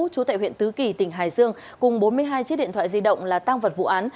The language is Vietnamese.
trú tại huyện tứ kỳ tỉnh hải dương cùng bốn mươi hai chiếc điện thoại di động là tăng vật vụ án